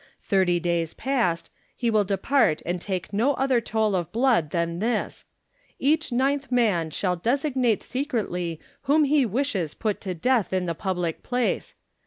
Thirty days passed, he will depart and take no other toll of blood than this: Each ninth man shall designate secretly whom he vyishes put to death in the public place.